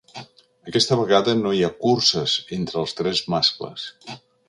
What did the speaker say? Aquesta vegada no hi ha curses entre els tres mascles.